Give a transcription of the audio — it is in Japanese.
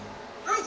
はい。